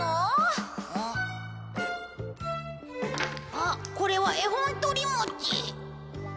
あっこれは絵本とりもち。